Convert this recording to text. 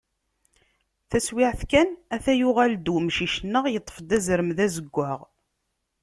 Taswiɛt kan ata yuɣal-d umcic-nneɣ, yeṭṭef-d azrem d azeggaɣ.